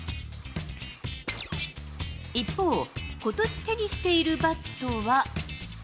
一方、ことし手にしているバットは。